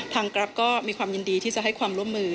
กราฟก็มีความยินดีที่จะให้ความร่วมมือ